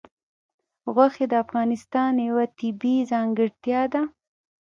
غوښې د افغانستان یوه طبیعي ځانګړتیا ده.